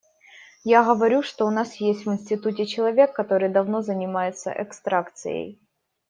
Я говорю, что у нас есть в институте человек, который давно занимается экстракцией.